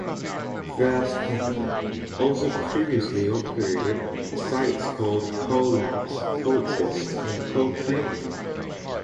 "Fast Company" also previously operated sites called Co.Labs, Co.Exist, and Co.Create.